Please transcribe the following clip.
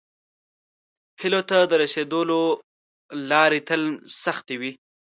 هیلو ته د راسیدلو لارې تل سختې وي.